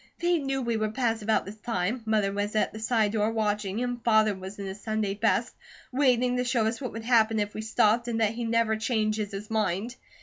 They knew we would pass about this time. Mother was at the side door watching, and Father was in his Sunday best, waiting to show us what would happen if we stopped, and that he never changes his mind.